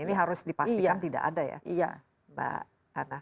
ini harus dipastikan tidak ada ya mbak hana